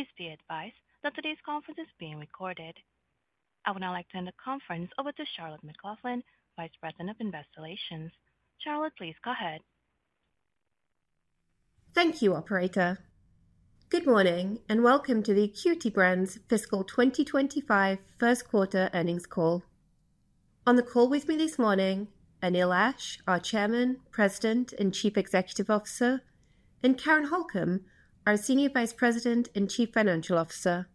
Please be advised that today's conference is being recorded. I would now like to hand the conference over to Charlotte McLaughlin, Vice President of Investor Relations. Charlotte, please go ahead. Thank you, Operator. Good morning and welcome to the Acuity Brands fiscal 2025 first quarter earnings call. On the call with me this morning are Neil Ashe, our Chairman, President, and Chief Executive Officer, and Karen Holcom, our Senior Vice President and Chief Financial Officer.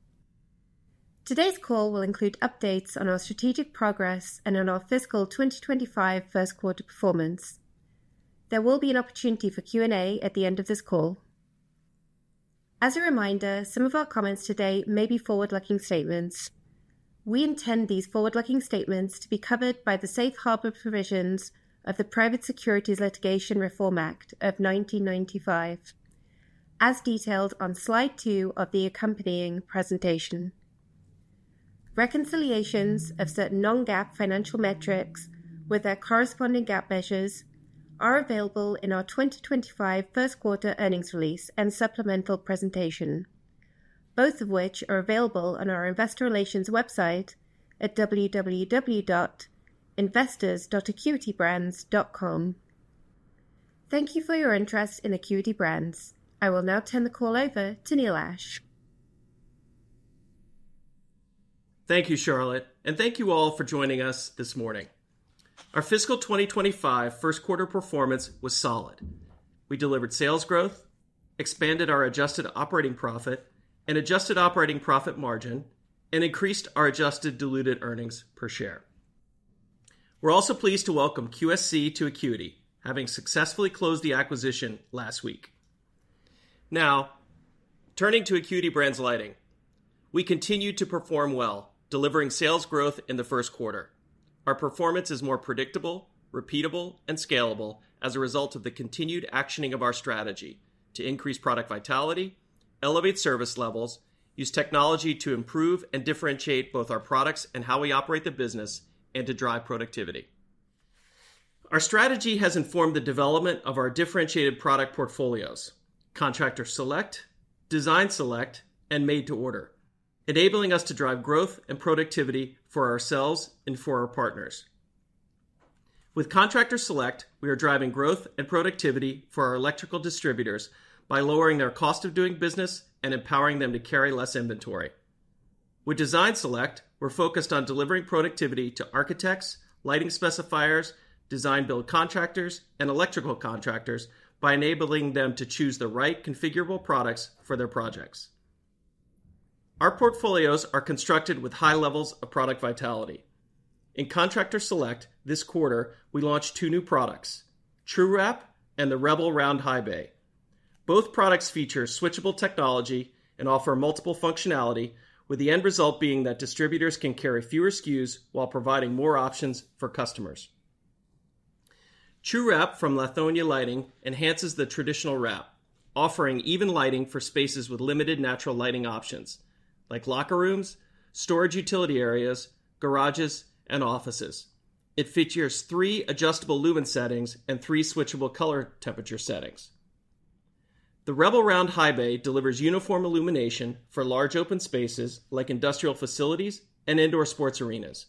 Today's call will include updates on our strategic progress and on our fiscal 2025 first quarter performance. There will be an opportunity for Q&A at the end of this call. As a reminder, some of our comments today may be forward-looking statements. We intend these forward-looking statements to be covered by the safe harbor provisions of the Private Securities Litigation Reform Act of 1995, as detailed on slide two of the accompanying presentation. Reconciliations of certain non-GAAP financial metrics with their corresponding GAAP measures are available in our 2025 First Quarter Earnings Release and Supplemental Presentation, both of which are available on our Investor Relations website at www.investors.acuitybrands.com. Thank you for your interest in Acuity Brands. I will now turn the call over to Neil Ashe. Thank you, Charlotte, and thank you all for joining us this morning. Our fiscal 2025 first quarter performance was solid. We delivered sales growth, expanded our adjusted operating profit and adjusted operating profit margin, and increased our adjusted diluted earnings per share. We're also pleased to welcome QSC to Acuity, having successfully closed the acquisition last week. Now, turning to Acuity Brands' lighting, we continue to perform well, delivering sales growth in the first quarter. Our performance is more predictable, repeatable, and scalable as a result of the continued actioning of our strategy to increase product vitality, elevate service levels, use technology to improve and differentiate both our products and how we operate the business, and to drive productivity. Our strategy has informed the development of our differentiated product portfolios: Contractor Select, Design Select, and Made to Order, enabling us to drive growth and productivity for ourselves and for our partners. With Contractor Select, we are driving growth and productivity for our electrical distributors by lowering their cost of doing business and empowering them to carry less inventory. With Design Select, we're focused on delivering productivity to architects, lighting specifiers, design-build contractors, and electrical contractors by enabling them to choose the right configurable products for their projects. Our portfolios are constructed with high levels of product vitality. In Contractor Select, this quarter, we launched two new products: TruWrap and the REBL LED High bay. Both products feature switchable technology and offer multiple functionality, with the end result being that distributors can carry fewer SKUs while providing more options for customers. TruWrap from Lithonia Lighting enhances the traditional wrap, offering even lighting for spaces with limited natural lighting options, like locker rooms, storage utility areas, garages, and offices. It features three adjustable lumen settings and three switchable color temperature settings. The Rebel Round Highbay delivers uniform illumination for large open spaces like industrial facilities and indoor sports arenas.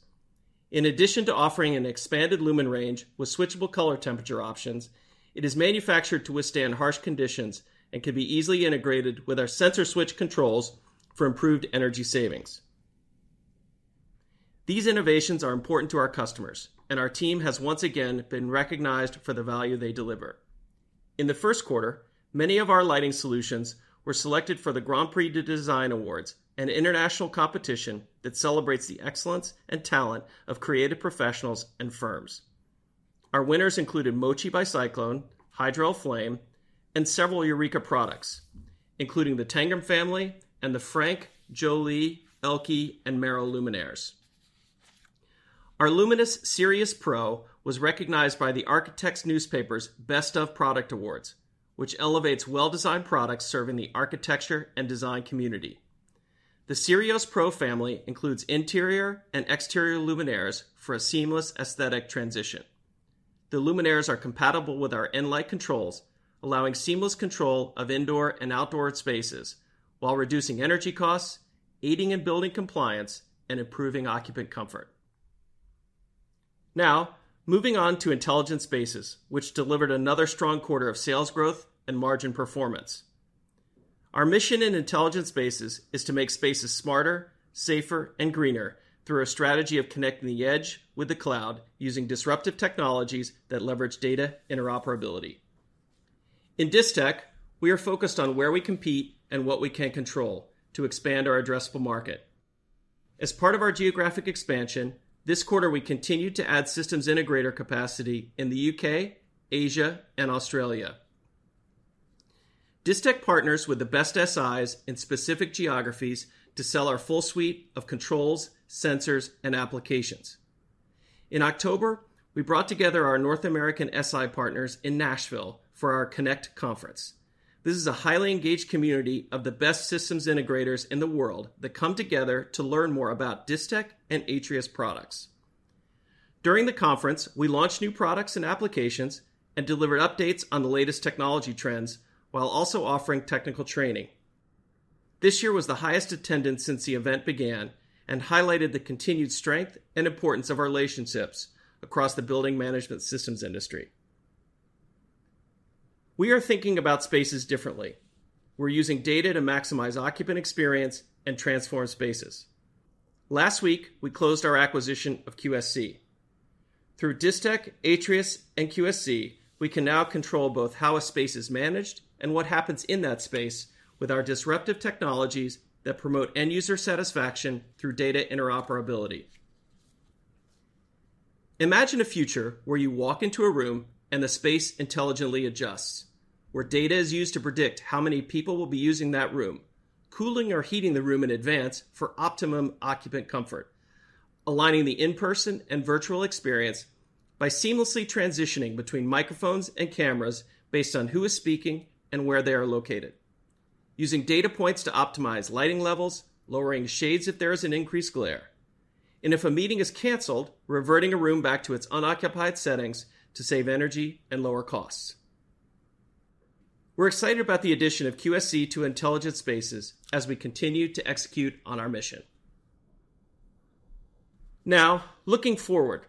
In addition to offering an expanded lumen range with switchable color temperature options, it is manufactured to withstand harsh conditions and can be easily integrated with our SensorSwitch controls for improved energy savings. These innovations are important to our customers, and our team has once again been recognized for the value they deliver. In the first quarter, many of our lighting solutions were selected for the Grands Prix du Design Awards, an international competition that celebrates the excellence and talent of creative professionals and firms. Our winners included Mochi by Cyclone, Hydra, Flame and several Eureka products, including the Tangram family and the Frank, Joli, Elke, and Marro luminaires. Our Luminis Syrios Pro was recognized by The Architect's Newspaper's Best of Product Awards, which elevates well-designed products serving the architecture and design community. The Syrios Pro family includes interior and exterior luminaires for a seamless aesthetic transition. The luminaires are compatible with our nLight controls, allowing seamless control of indoor and outdoor spaces while reducing energy costs, aiding in building compliance, and improving occupant comfort. Now, moving on to Intelligent Spaces, which delivered another strong quarter of sales growth and margin performance. Our mission in Intelligent Spaces is to make spaces smarter, safer, and greener through a strategy of connecting the edge with the cloud using disruptive technologies that leverage data interoperability. In Distech, we are focused on where we compete and what we can control to expand our addressable market. As part of our geographic expansion, this quarter we continue to add systems integrator capacity in the U.K., Asia, and Australia. Distech partners with the best S.I.s in specific geographies to sell our full suite of controls, sensors, and applications. In October, we brought together our North American S.I. partners in Nashville for our Connect Conference. This is a highly engaged community of the best systems integrators in the world that come together to learn more about Distech and Atrius products. During the conference, we launched new products and applications and delivered updates on the latest technology trends while also offering technical training. This year was the highest attendance since the event began and highlighted the continued strength and importance of our relationships across the building management systems industry. We are thinking about spaces differently. We're using data to maximize occupant experience and transform spaces. Last week, we closed our acquisition of QSC. Through Distech, Atrius, and QSC, we can now control both how a space is managed and what happens in that space with our disruptive technologies that promote end-user satisfaction through data interoperability. Imagine a future where you walk into a room and the space intelligently adjusts, where data is used to predict how many people will be using that room, cooling or heating the room in advance for optimum occupant comfort, aligning the in-person and virtual experience by seamlessly transitioning between microphones and cameras based on who is speaking and where they are located, using data points to optimize lighting levels, lowering shades if there is an increased glare, and if a meeting is canceled, reverting a room back to its unoccupied settings to save energy and lower costs. We're excited about the addition of QSC to Intelligent Spaces as we continue to execute on our mission. Now, looking forward,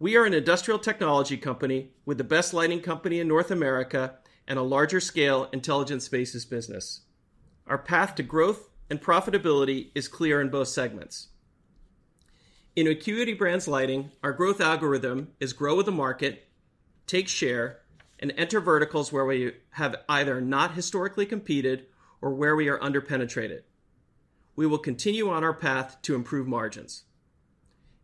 we are an industrial technology company with the best lighting company in North America and a larger scale Intelligent Spaces business. Our path to growth and profitability is clear in both segments. In Acuity Brands Lighting, our growth algorithm is grow with the market, take share, and enter verticals where we have either not historically competed or where we are underpenetrated. We will continue on our path to improve margins.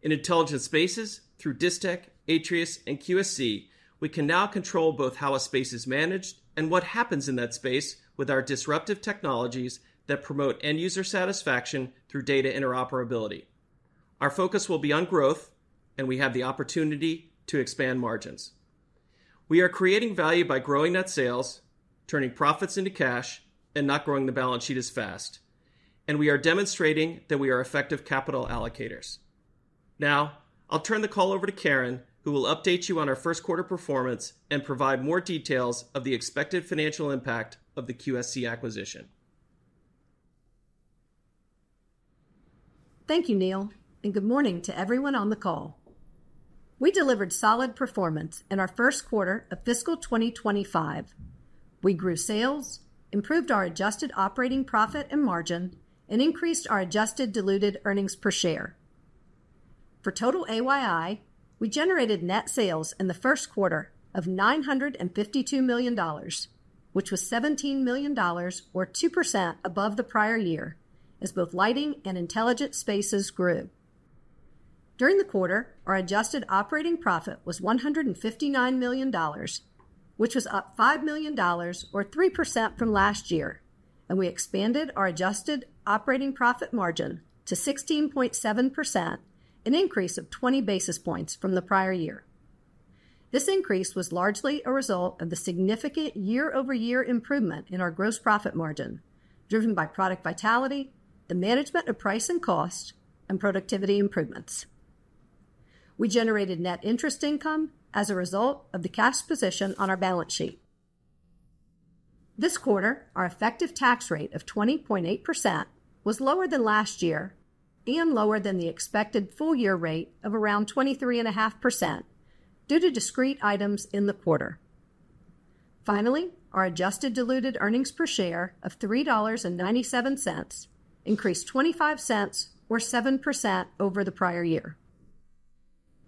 In Intelligent Spaces, through Distech, Atrius, and QSC, we can now control both how a space is managed and what happens in that space with our disruptive technologies that promote end-user satisfaction through data interoperability. Our focus will be on growth, and we have the opportunity to expand margins. We are creating value by growing net sales, turning profits into cash, and not growing the balance sheet as fast, and we are demonstrating that we are effective capital allocators. Now, I'll turn the call over to Karen, who will update you on our First Quarter performance and provide more details of the expected financial impact of the QSC acquisition. Thank you, Neil, and good morning to everyone on the call. We delivered solid performance in our first quarter of fiscal 2025. We grew sales, improved our adjusted operating profit and margin, and increased our adjusted diluted earnings per share. For total AYI, we generated net sales in the first quarter of $952 million, which was $17 million, or 2% above the prior year, as both lighting and intelligent spaces grew. During the quarter, our adjusted operating profit was $159 million, which was up $5 million, or 3% from last year, and we expanded our adjusted operating profit margin to 16.7%, an increase of 20 basis points from the prior year. This increase was largely a result of the significant year-over-year improvement in our gross profit margin, driven by product vitality, the management of price and cost, and productivity improvements. We generated net interest income as a result of the cash position on our balance sheet. This quarter, our effective tax rate of 20.8% was lower than last year and lower than the expected full-year rate of around 23.5% due to discrete items in the quarter. Finally, our adjusted diluted earnings per share of $3.97 increased 25 cents, or 7%, over the prior year.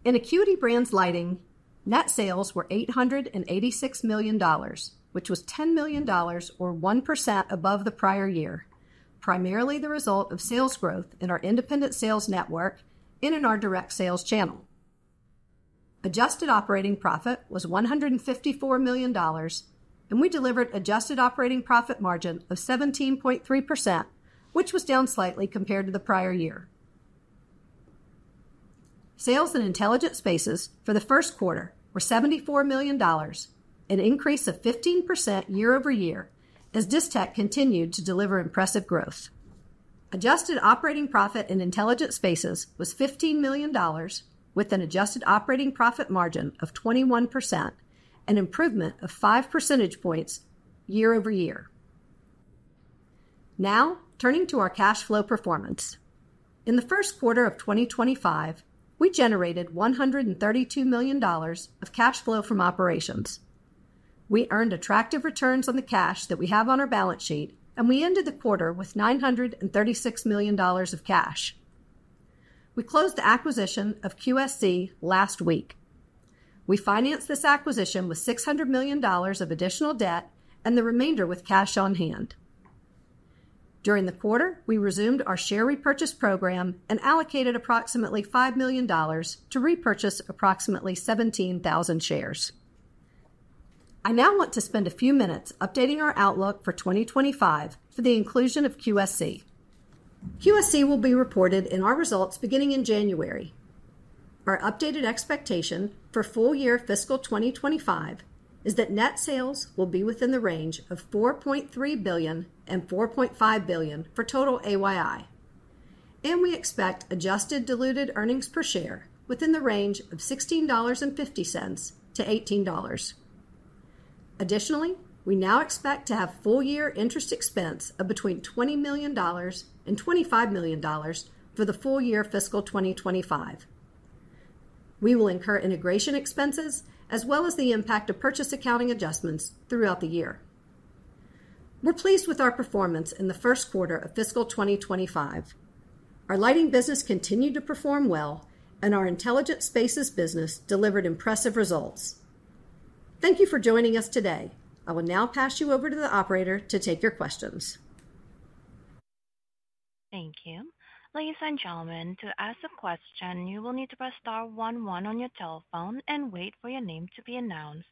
In Acuity Brands Lighting, net sales were $886 million, which was $10 million, or 1%, above the prior year, primarily the result of sales growth in our independent sales network and in our direct sales channel. Adjusted operating profit was $154 million, and we delivered adjusted operating profit margin of 17.3%, which was down slightly compared to the prior year. Sales in intelligent spaces for the first quarter were $74 million, an increase of 15% year-over-year, as Distech continued to deliver impressive growth. Adjusted operating profit in intelligent spaces was $15 million, with an adjusted operating profit margin of 21%, an improvement of five percentage points year-over-year. Now, turning to our cash flow performance. In the first quarter of 2025, we generated $132 million of cash flow from operations. We earned attractive returns on the cash that we have on our balance sheet, and we ended the quarter with $936 million of cash. We closed the acquisition of QSC last week. We financed this acquisition with $600 million of additional debt and the remainder with cash on hand. During the quarter, we resumed our share repurchase program and allocated approximately $5 million to repurchase approximately 17,000 shares. I now want to spend a few minutes updating our outlook for 2025 for the inclusion of QSC. QSC will be reported in our results beginning in January. Our updated expectation for full-year Fiscal 2025 is that net sales will be within the range of $4.3 billion-$4.5 billion for total AYI, and we expect adjusted diluted earnings per share within the range of $16.50-$18. Additionally, we now expect to have full-year interest expense of between $20 million-$25 million for the full-year fiscal 2025. We will incur integration expenses as well as the impact of purchase accounting adjustments throughout the year. We're pleased with our performance in the first quarter of fiscal 2025. Our lighting business continued to perform well, and our intelligent spaces business delivered impressive results. Thank you for joining us today. I will now pass you over to the operator to take your questions. Thank you. Ladies and gentlemen, to ask a question, you will need to press star one one on your telephone and wait for your name to be announced.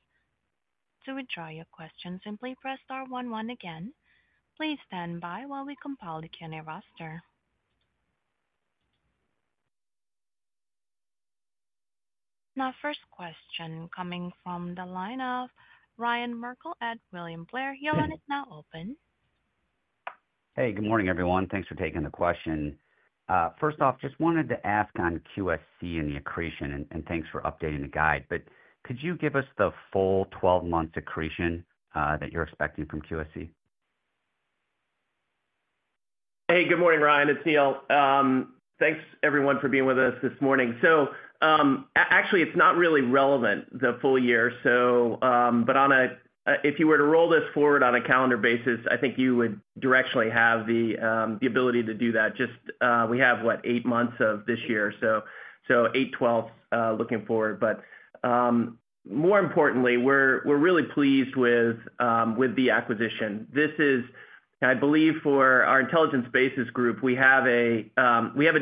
To withdraw your question, simply press star one one again. Please stand by while we compile the Q&A roster. Now, first question coming from the line of Ryan Merkel at William Blair. Your line is now open. Hey, good morning, everyone. Thanks for taking the question. First off, just wanted to ask on QSC and the accretion, and thanks for updating the guide, but could you give us the full 12-month accretion that you're expecting from QSC? Hey, good morning, Ryan. It's Neil. Thanks, everyone, for being with us this morning. So actually, it's not really relevant, the full year. But if you were to roll this forward on a calendar basis, I think you would directly have the ability to do that. Just we have, what, eight months of this year, so 8/12 looking forward. But more importantly, we're really pleased with the acquisition. This is, I believe, for our intelligent spaces group, we have a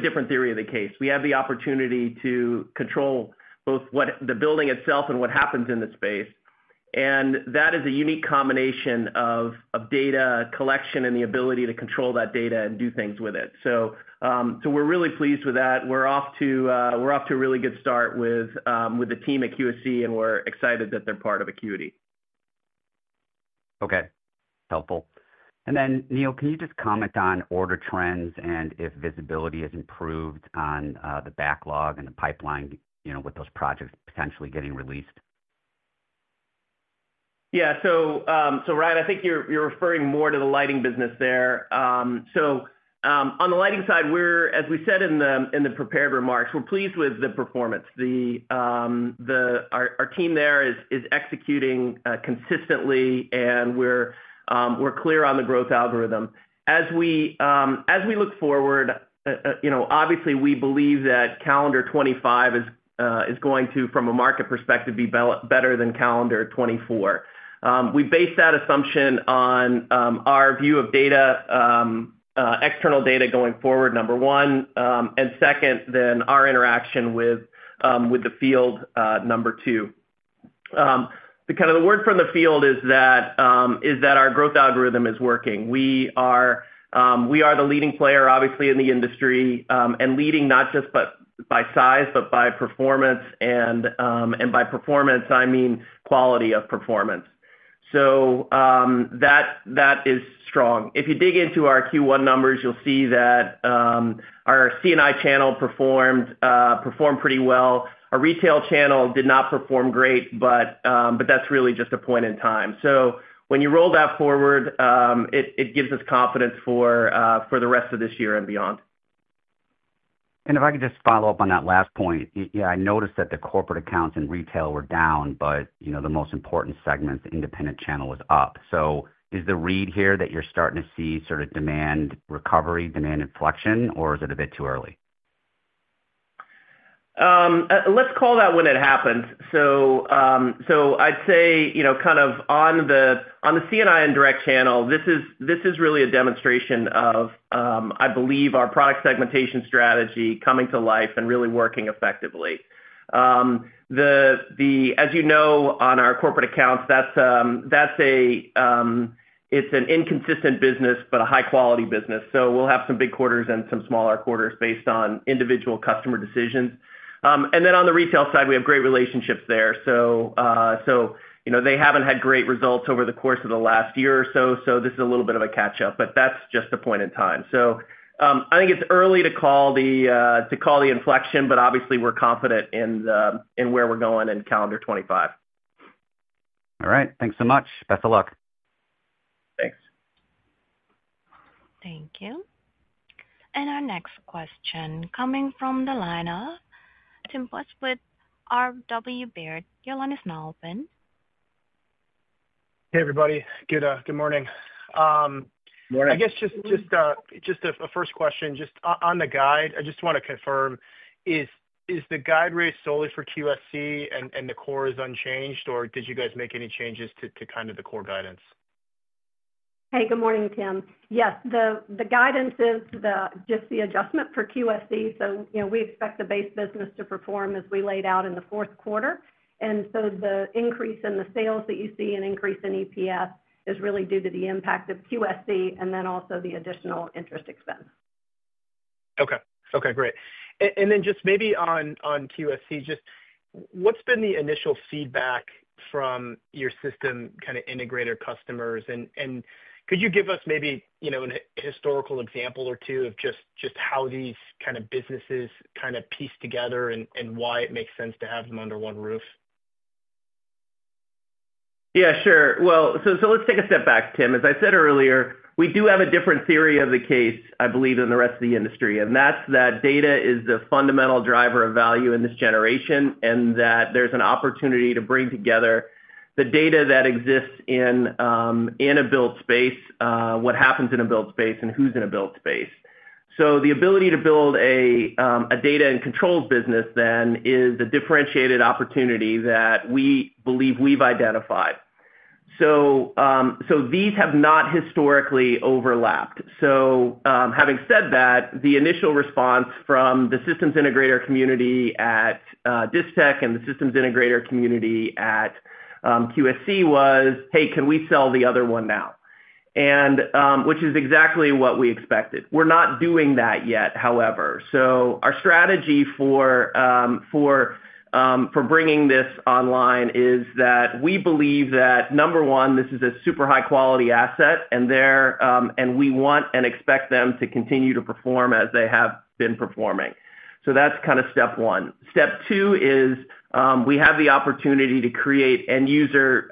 different theory of the case. We have the opportunity to control both the building itself and what happens in the space. And that is a unique combination of data collection and the ability to control that data and do things with it. So we're really pleased with that. We're off to a really good start with the team at QSC, and we're excited that they're part of Acuity. Okay. Helpful. And then, Neil, can you just comment on order trends and if visibility has improved on the backlog and the pipeline with those projects potentially getting released? Yeah. So, Ryan, I think you're referring more to the lighting business there. So on the lighting side, as we said in the prepared remarks, we're pleased with the performance. Our team there is executing consistently, and we're clear on the growth algorithm. As we look forward, obviously, we believe that calendar 2025 is going to, from a market perspective, be better than calendar 2024. We base that assumption on our view of external data going forward, number one, and second, then our interaction with the field, number two. The kind of the word from the field is that our growth algorithm is working. We are the leading player, obviously, in the industry and leading not just by size, but by performance, and by performance, I mean quality of performance. So that is strong. If you dig into our Q1 numbers, you'll see that our C&I channel performed pretty well. Our retail channel did not perform great, but that's really just a point in time. So when you roll that forward, it gives us confidence for the rest of this year and beyond. If I could just follow up on that last point, yeah, I noticed that the corporate accounts in retail were down, but the most important segments, the independent channel, was up. So is the read here that you're starting to see sort of demand recovery, demand inflection, or is it a bit too early? Let's call that when it happens. So I'd say kind of on the C&I and direct channel, this is really a demonstration of, I believe, our product segmentation strategy coming to life and really working effectively. As you know, on our corporate accounts, it's an inconsistent business, but a high-quality business. So we'll have some big quarters and some smaller quarters based on individual customer decisions. And then on the retail side, we have great relationships there. So they haven't had great results over the course of the last year or so, so this is a little bit of a catch-up, but that's just a point in time. So I think it's early to call the inflection, but obviously, we're confident in where we're going in calendar 2025. All right. Thanks so much. Best of luck. Thanks. Thank you. And our next question coming from the line of Tim Wojs with RW Baird. Your line is now open. Hey, everybody. Good morning. Good morning. I guess just a first question. Just on the guide, I just want to confirm, is the guide raised solely for QSC and the core is unchanged, or did you guys make any changes to kind of the core guidance? Hey, good morning, Tim. Yes, the guidance is just the adjustment for QSC. So we expect the base business to perform as we laid out in the fourth quarter. And so the increase in the sales that you see and increase in EPS is really due to the impact of QSC and then also the additional interest expense. Okay. Okay. Great. And then just maybe on QSC, just what's been the initial feedback from your system kind of integrator customers? And could you give us maybe a historical example or two of just how these kind of businesses kind of piece together and why it makes sense to have them under one roof? Yeah, sure. Well, so let's take a step back, Tim. As I said earlier, we do have a different theory of the case, I believe, than the rest of the industry. And that's that data is the fundamental driver of value in this generation and that there's an opportunity to bring together the data that exists in a built space, what happens in a built space, and who's in a built space. So the ability to build a data and controls business then is a differentiated opportunity that we believe we've identified. So these have not historically overlapped. So having said that, the initial response from the systems integrator community at Distech and the systems integrator community at QSC was, "Hey, can we sell the other one now?" which is exactly what we expected. We're not doing that yet, however. Our strategy for bringing this online is that we believe that, number one, this is a super high-quality asset, and we want and expect them to continue to perform as they have been performing. That's kind of step one. Step two is we have the opportunity to create end-user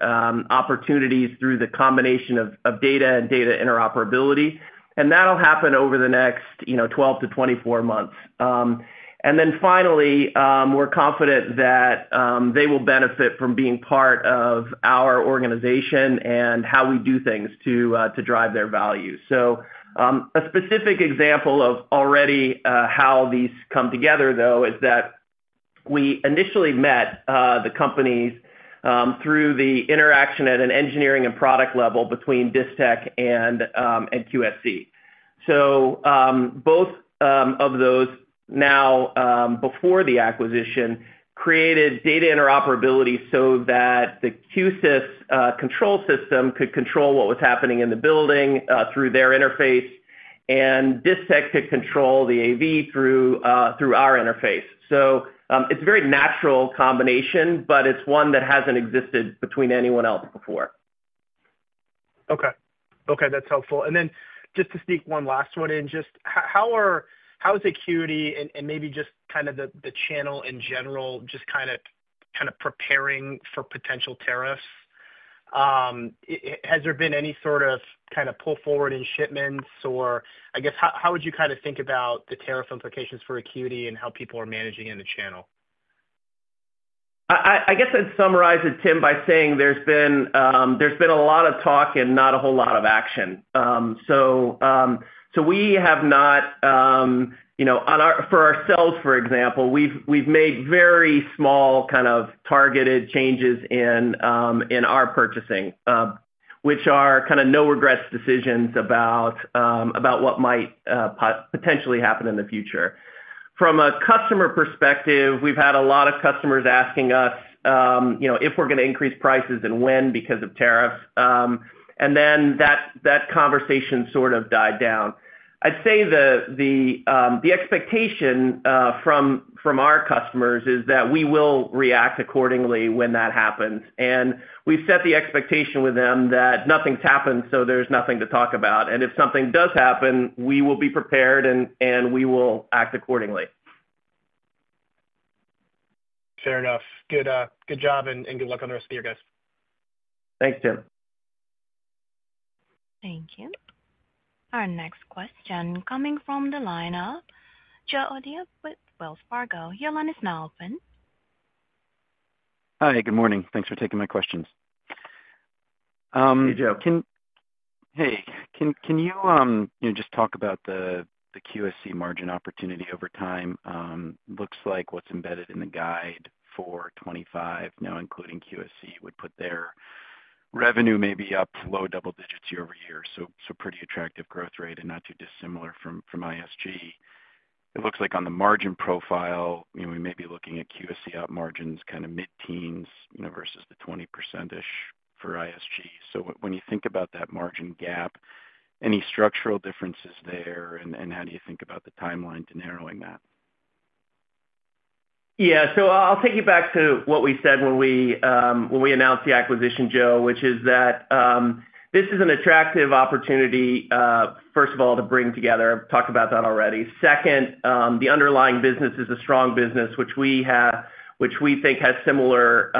opportunities through the combination of data and data interoperability. And that'll happen over the next 12 months-24 months. And then finally, we're confident that they will benefit from being part of our organization and how we do things to drive their value. A specific example of already how these come together, though, is that we initially met the companies through the interaction at an engineering and product level between Distech and QSC. So both of those now, before the acquisition, created data interoperability so that the Q-SYS control system could control what was happening in the building through their interface, and Distech could control the AV through our interface. So it's a very natural combination, but it's one that hasn't existed between anyone else before. Okay. Okay. That's helpful. And then just to sneak one last one in, just how is Acuity and maybe just kind of the channel in general just kind of preparing for potential tariffs? Has there been any sort of kind of pull forward in shipments? Or I guess, how would you kind of think about the tariff implications for Acuity and how people are managing in the channel? I guess I'd summarize it, Tim, by saying there's been a lot of talk and not a whole lot of action. So we have not for ourselves, for example, we've made very small kind of targeted changes in our purchasing, which are kind of no regrets decisions about what might potentially happen in the future. From a customer perspective, we've had a lot of customers asking us if we're going to increase prices and when because of tariffs. And then that conversation sort of died down. I'd say the expectation from our customers is that we will react accordingly when that happens. And we've set the expectation with them that nothing's happened, so there's nothing to talk about. And if something does happen, we will be prepared and we will act accordingly. Fair enough. Good job and good luck on the rest of you guys. Thanks, Tim. Thank you. Our next question coming from the line of Joe O'Dea with Wells Fargo. Your line is now open. Hi. Good morning. Thanks for taking my questions. Hey, Joe. Hey. Can you just talk about the QSC margin opportunity over time? Looks like what's embedded in the guide for 2025, now including QSC, would put their revenue maybe up low double digits year over year. So pretty attractive growth rate and not too dissimilar from ISG. It looks like on the margin profile, we may be looking at QSC out margins kind of mid-teens versus the 20%-ish for ISG. So when you think about that margin gap, any structural differences there? And how do you think about the timeline to narrowing that? Yeah. So I'll take you back to what we said when we announced the acquisition, Joe, which is that this is an attractive opportunity, first of all, to bring together. I've talked about that already. Second, the underlying business is a strong business, which we think has similar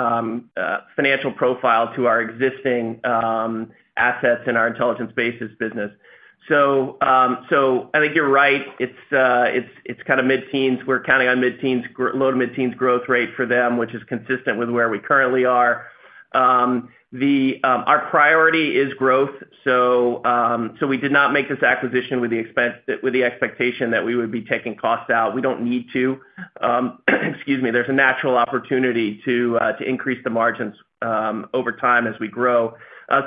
financial profile to our existing assets in our Intelligent Spaces business. So I think you're right. It's kind of mid-teens. We're counting on mid-teens, low to mid-teens growth rate for them, which is consistent with where we currently are. Our priority is growth. So we did not make this acquisition with the expectation that we would be taking costs out. We don't need to. Excuse me. There's a natural opportunity to increase the margins over time as we grow,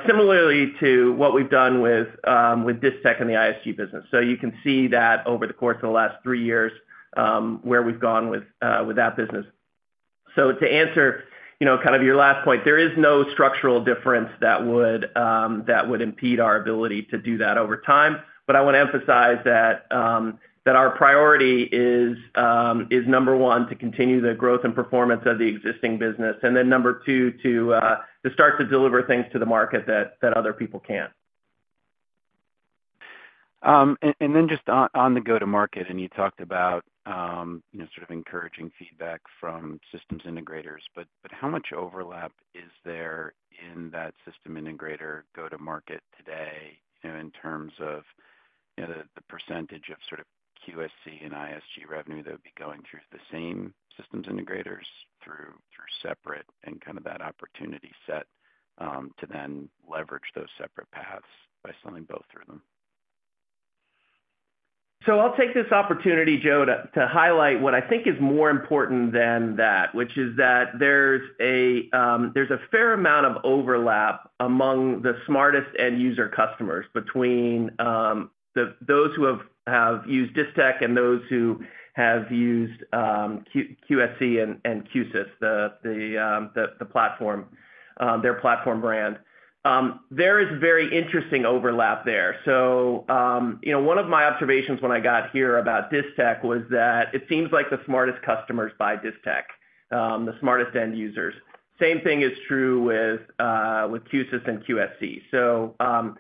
similarly to what we've done with Distech and the ISG business. So you can see that over the course of the last three years where we've gone with that business. So to answer kind of your last point, there is no structural difference that would impede our ability to do that over time. But I want to emphasize that our priority is, number one, to continue the growth and performance of the existing business, and then number two, to start to deliver things to the market that other people can't. And then just on the go-to-market, and you talked about sort of encouraging feedback from systems integrators. But how much overlap is there in that system integrator go-to-market today in terms of the percentage of sort of QSC and ISG revenue that would be going through the same systems integrators through separate and kind of that opportunity set to then leverage those separate paths by selling both through them? So I'll take this opportunity, Joe, to highlight what I think is more important than that, which is that there's a fair amount of overlap among the smartest end-user customers between those who have used Distech and those who have used QSC and Q-SYS, the platform, their platform brand. There is very interesting overlap there. So one of my observations when I got here about Distech was that it seems like the smartest customers buy Distech, the smartest end users. Same thing is true with Q-SYS and QSC. So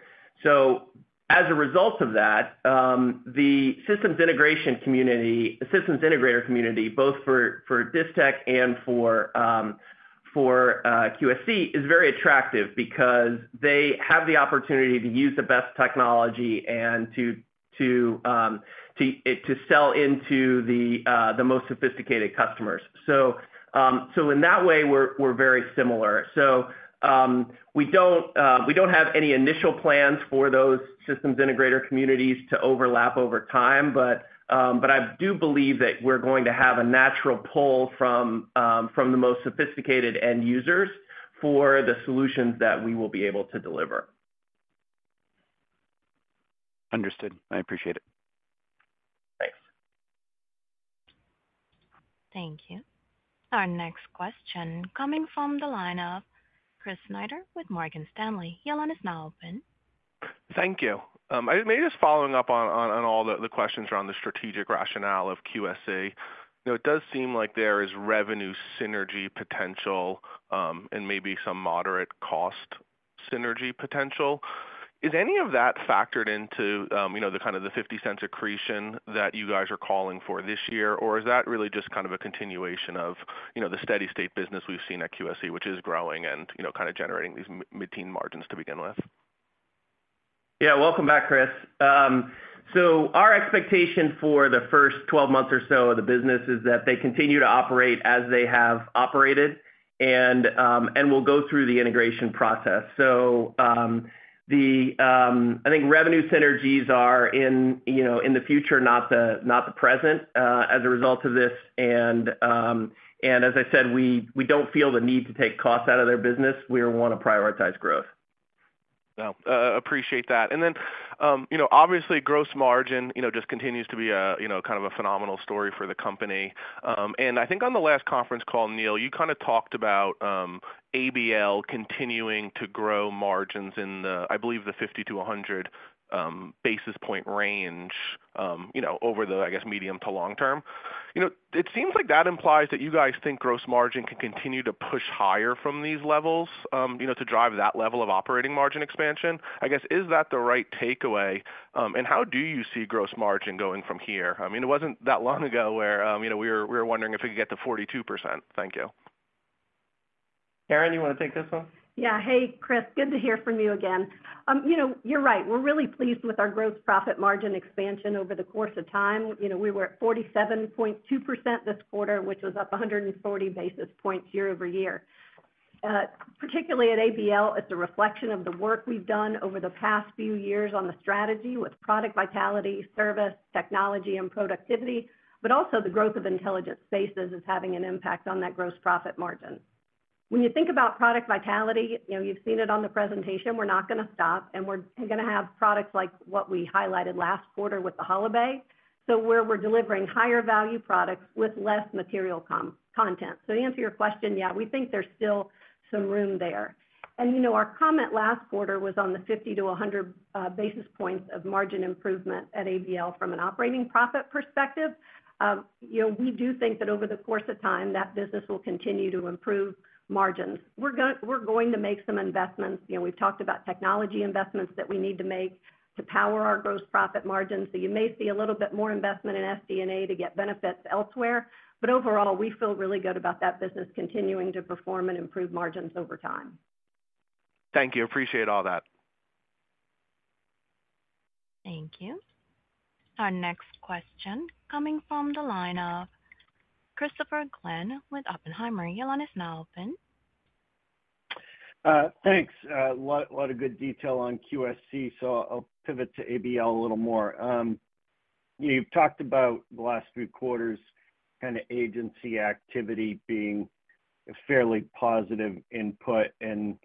as a result of that, the systems integrator community, both for Distech and for QSC, is very attractive because they have the opportunity to use the best technology and to sell into the most sophisticated customers. So in that way, we're very similar. So we don't have any initial plans for those systems integrator communities to overlap over time, but I do believe that we're going to have a natural pull from the most sophisticated end users for the solutions that we will be able to deliver. Understood. I appreciate it. Thanks. Thank you. Our next question coming from the line of Chris Snyder with Morgan Stanley. Your line is now open. Thank you. Maybe just following up on all the questions around the strategic rationale of QSC. It does seem like there is revenue synergy potential and maybe some moderate cost synergy potential. Is any of that factored into the kind of the $0.50 accretion that you guys are calling for this year? Or is that really just kind of a continuation of the steady state business we've seen at QSC, which is growing and kind of generating these mid-teens margins to begin with? Yeah. Welcome back, Chris. So our expectation for the first 12 months or so of the business is that they continue to operate as they have operated and will go through the integration process. So I think revenue synergies are in the future, not the present as a result of this. And as I said, we don't feel the need to take costs out of their business. We want to prioritize growth. Wow. Appreciate that. And then obviously, gross margin just continues to be kind of a phenomenal story for the company. And I think on the last conference call, Neil, you kind of talked about ABL continuing to grow margins in the, I believe, the 50-100 basis point range over the, I guess, medium to long term. It seems like that implies that you guys think gross margin can continue to push higher from these levels to drive that level of operating margin expansion. I guess, is that the right takeaway? And how do you see gross margin going from here? I mean, it wasn't that long ago where we were wondering if we could get to 42%. Thank you. Karen, you want to take this one? Yeah. Hey, Chris. Good to hear from you again. You're right. We're really pleased with our gross profit margin expansion over the course of time. We were at 47.2% this quarter, which was up 140 basis points year-over-year. Particularly at ABL, it's a reflection of the work we've done over the past few years on the strategy with product vitality, service, technology, and productivity, but also the growth of Intelligent Spaces is having an impact on that gross profit margin. When you think about product vitality, you've seen it on the presentation. We're not going to stop, and we're going to have products like what we highlighted last quarter with the HoloBay, so where we're delivering higher value products with less material content, so to answer your question, yeah, we think there's still some room there. Our comment last quarter was on the 50-100 basis points of margin improvement at ABL from an operating profit perspective. We do think that over the course of time, that business will continue to improve margins. We're going to make some investments. We've talked about technology investments that we need to make to power our gross profit margins. You may see a little bit more investment in SD&A to get benefits elsewhere. Overall, we feel really good about that business continuing to perform and improve margins over time. Thank you. Appreciate all that. Thank you. Our next question coming from the line of Christopher Glynn with Oppenheimer. Your line is now open. Thanks. A lot of good detail on QSC. So I'll pivot to ABL a little more. You've talked about the last few quarters kind of agency activity being a fairly positive input and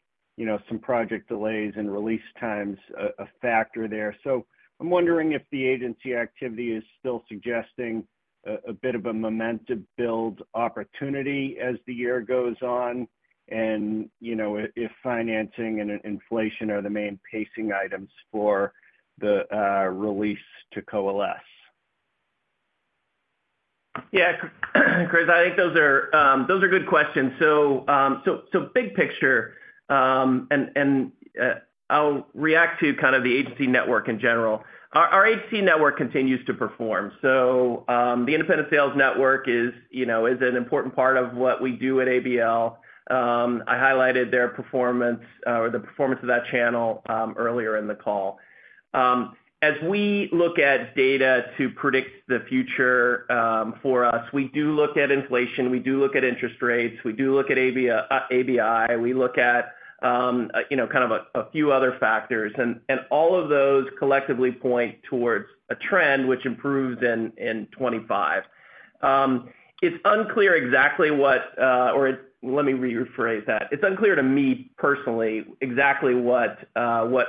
some project delays and release times a factor there. So I'm wondering if the agency activity is still suggesting a bit of a momentum build opportunity as the year goes on and if financing and inflation are the main pacing items for the release to coalesce. Yeah. Chris, I think those are good questions. So big picture, and I'll react to kind of the agency network in general. Our agency network continues to perform. So the independent sales network is an important part of what we do at ABL. I highlighted their performance or the performance of that channel earlier in the call. As we look at data to predict the future for us, we do look at inflation. We do look at interest rates. We do look at ABI. We look at kind of a few other factors. And all of those collectively point towards a trend which improves in 2025. It's unclear exactly what or let me rephrase that. It's unclear to me personally exactly what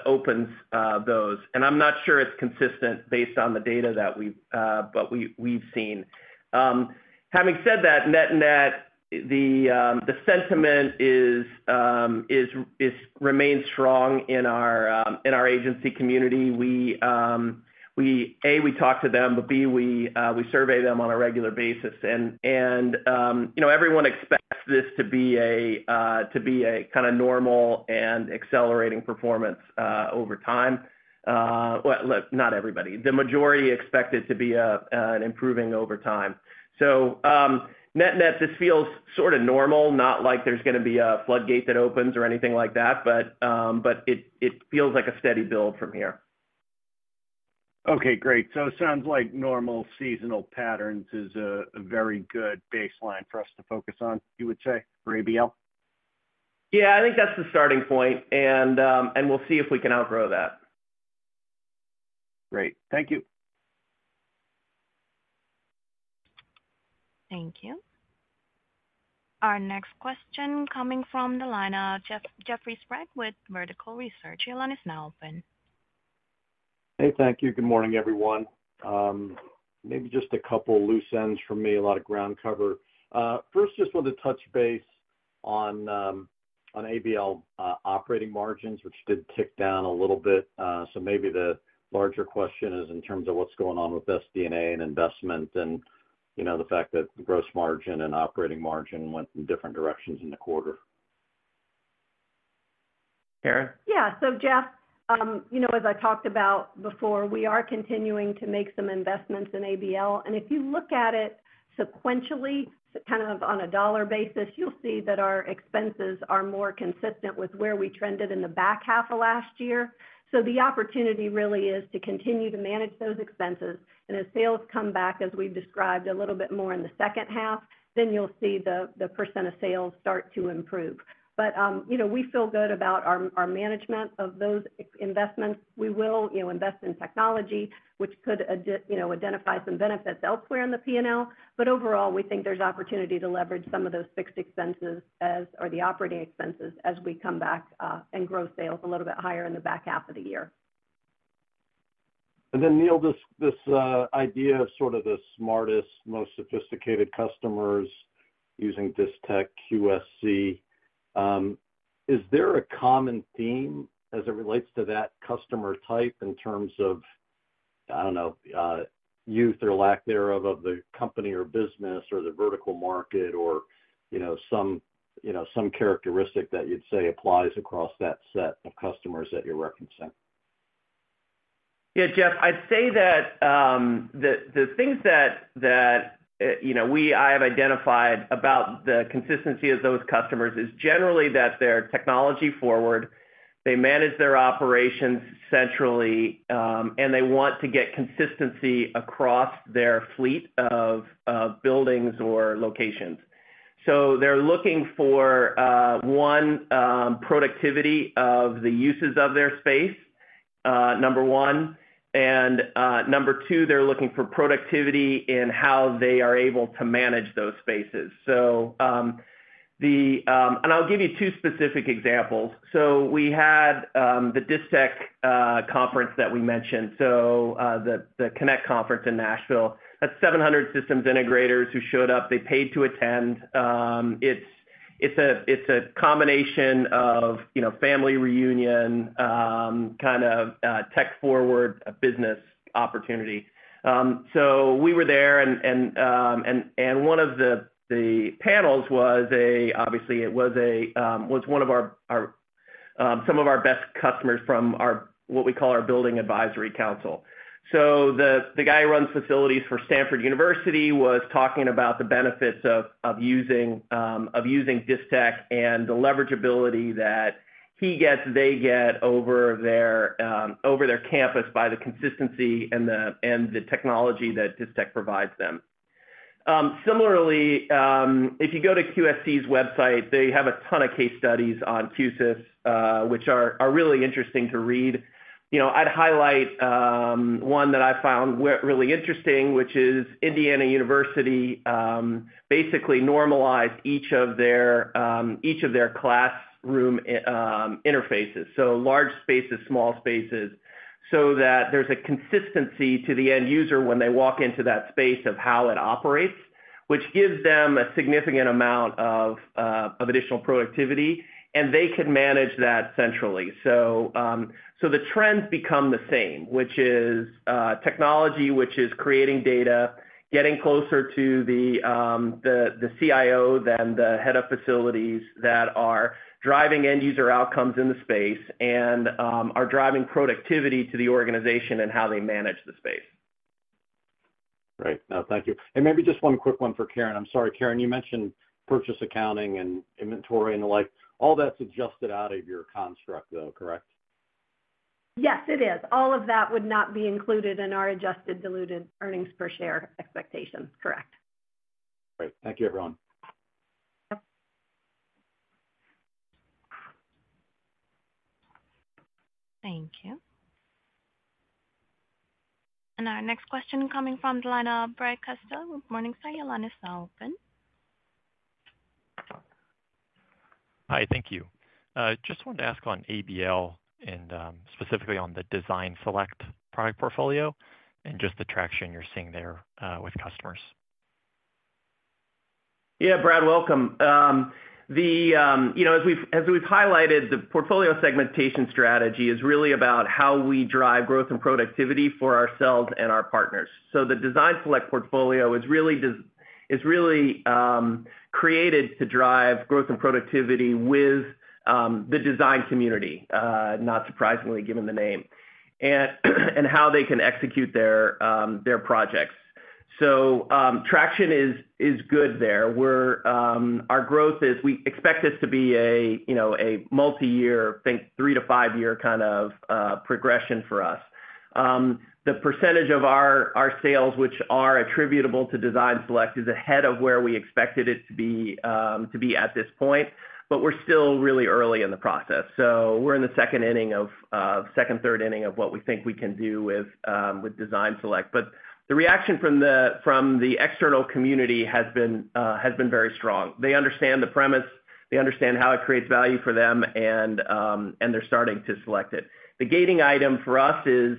opens those. And I'm not sure it's consistent based on the data that we've seen. Having said that, net net, the sentiment remains strong in our agency community. A, we talk to them, but B, we survey them on a regular basis. And everyone expects this to be a kind of normal and accelerating performance over time. Well, not everybody. The majority expect it to be an improving over time. So net net, this feels sort of normal, not like there's going to be a floodgate that opens or anything like that, but it feels like a steady build from here. Okay. Great, so it sounds like normal seasonal patterns is a very good baseline for us to focus on, you would say, for ABL? Yeah. I think that's the starting point, and we'll see if we can outgrow that. Great. Thank you. Thank you. Our next question coming from the line of Jeffrey Sprague with Vertical Research Partners. Your line is now open. Hey. Thank you. Good morning, everyone. Maybe just a couple loose ends for me, a lot of ground cover. First, just wanted to touch base on ABL operating margins, which did tick down a little bit. So maybe the larger question is in terms of what's going on with SD&A and investment and the fact that the gross margin and operating margin went in different directions in the quarter. Karen? Yeah. So Jeff, as I talked about before, we are continuing to make some investments in ABL. And if you look at it sequentially, kind of on a dollar basis, you'll see that our expenses are more consistent with where we trended in the back half of last year. So the opportunity really is to continue to manage those expenses. And as sales come back, as we've described, a little bit more in the second half, then you'll see the percent of sales start to improve. But we feel good about our management of those investments. We will invest in technology, which could identify some benefits elsewhere in the P&L. But overall, we think there's opportunity to leverage some of those fixed expenses or the operating expenses as we come back and grow sales a little bit higher in the back half of the year. And then, Neil, this idea of sort of the smartest, most sophisticated customers using Distech, QSC, is there a common theme as it relates to that customer type in terms of, I don't know, youth or lack thereof of the company or business or the vertical market or some characteristic that you'd say applies across that set of customers that you're referencing? Yeah. Jeff, I'd say that the things that I have identified about the consistency of those customers is generally that they're technology forward. They manage their operations centrally, and they want to get consistency across their fleet of buildings or locations. So they're looking for, one, productivity of the uses of their space, number one. And number two, they're looking for productivity in how they are able to manage those spaces. And I'll give you two specific examples. So we had the Distech conference that we mentioned, so the Connect conference in Nashville. That's 700 systems integrators who showed up. They paid to attend. It's a combination of family reunion, kind of tech-forward business opportunity. So we were there. And one of the panels was a, obviously, it was one of our, some of our best customers from what we call our building advisory council. So the guy who runs facilities for Stanford University was talking about the benefits of using Distech and the leverageability that he gets, they get over their campus by the consistency and the technology that Distech provides them. Similarly, if you go to QSC's website, they have a ton of case studies on Q-SYS, which are really interesting to read. I'd highlight one that I found really interesting, which is Indiana University basically normalized each of their classroom interfaces, so large spaces, small spaces, so that there's a consistency to the end user when they walk into that space of how it operates, which gives them a significant amount of additional productivity. And they can manage that centrally. So the trends become the same, which is technology, which is creating data, getting closer to the CIO than the head of facilities that are driving end user outcomes in the space and are driving productivity to the organization and how they manage the space. Great. Thank you. And maybe just one quick one for Karen. I'm sorry. Karen, you mentioned purchase accounting and inventory and the like. All that's adjusted out of your construct, though, correct? Yes, it is. All of that would not be included in our adjusted diluted earnings per share expectation. Correct. Great. Thank you, everyone. Thank you. And our next question coming from the line of Brad Custer. Good morning, sir. Your line is now open. Hi. Thank you. Just wanted to ask on ABL and specifically on the Design Select product portfolio and just the traction you're seeing there with customers? Yeah. Brad, welcome. As we've highlighted, the portfolio segmentation strategy is really about how we drive growth and productivity for ourselves and our partners. So the Design Select portfolio is really created to drive growth and productivity with the design community, not surprisingly given the name, and how they can execute their projects. So traction is good there. Our growth is we expect this to be a multi-year, I think, three-to-five-year kind of progression for us. The percentage of our sales, which are attributable to Design Select, is ahead of where we expected it to be at this point, but we're still really early in the process. So we're in the second inning of second, third inning of what we think we can do with Design Select. But the reaction from the external community has been very strong. They understand the premise. They understand how it creates value for them, and they're starting to select it. The gating item for us is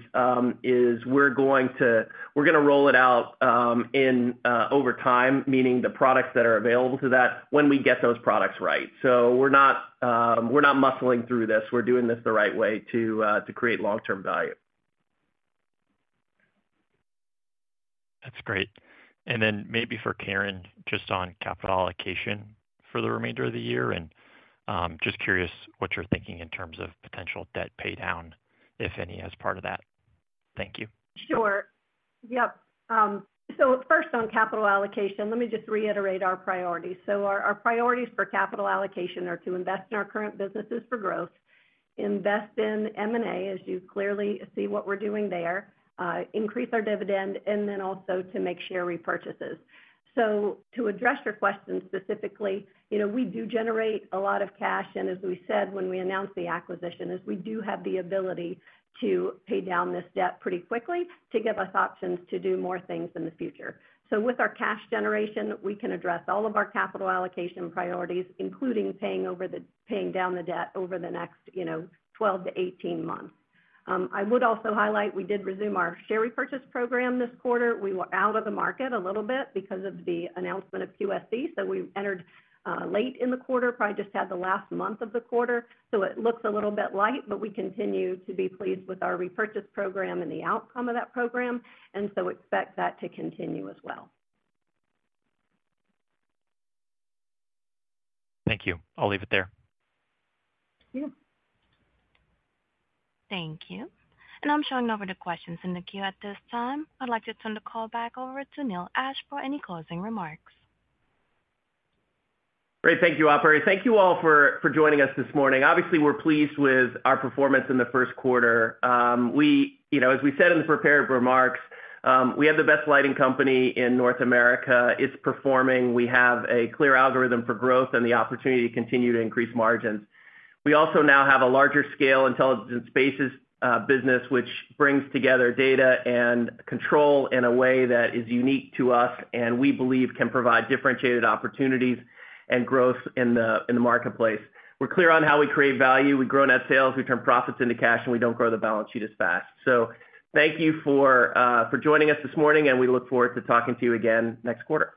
we're going to roll it out over time, meaning the products that are available to that when we get those products right. So we're not muscling through this. We're doing this the right way to create long-term value. That's great. And then maybe for Karen, just on capital allocation for the remainder of the year, and just curious what you're thinking in terms of potential debt paydown, if any, as part of that. Thank you. Sure. Yep. So first, on capital allocation, let me just reiterate our priorities. So our priorities for capital allocation are to invest in our current businesses for growth, invest in M&A, as you clearly see what we're doing there, increase our dividend, and then also to make share repurchases. So to address your question specifically, we do generate a lot of cash. And as we said when we announced the acquisition, we do have the ability to pay down this debt pretty quickly to give us options to do more things in the future. So with our cash generation, we can address all of our capital allocation priorities, including paying down the debt over the next 12months-18 months. I would also highlight we did resume our share repurchase program this quarter. We were out of the market a little bit because of the announcement of QSC. So we entered late in the quarter, probably just had the last month of the quarter. So it looks a little bit light, but we continue to be pleased with our repurchase program and the outcome of that program. And so expect that to continue as well. Thank you. I'll leave it there. Thank you. Thank you, and I'm showing no further questions in the queue at this time. I'd like to turn the call back over to Neil Ashe for any closing remarks. Great. Thank you, Operator. Thank you all for joining us this morning. Obviously, we're pleased with our performance in the first quarter. As we said in the prepared remarks, we have the best lighting company in North America. It's performing. We have a clear algorithm for growth and the opportunity to continue to increase margins. We also now have a larger scale Intelligent Spaces business, which brings together data and control in a way that is unique to us and we believe can provide differentiated opportunities and growth in the marketplace. We're clear on how we create value. We grow net sales. We turn profits into cash, and we don't grow the balance sheet as fast. So thank you for joining us this morning, and we look forward to talking to you again next quarter.